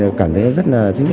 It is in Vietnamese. đều cảm thấy tin tưởng và yên tâm